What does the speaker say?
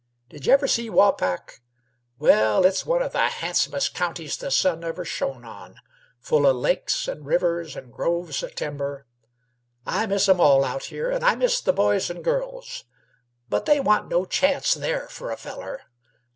Did y' ever see Waupac? Well, it's one o' the handsomest counties the sun ever shone on, full o' lakes and rivers and groves of timber. I miss 'em all out here, and I miss the boys an' girls; but they wa'n't no chance there f'r a feller.